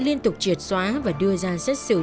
liên tục triệt xóa và đưa ra xét xử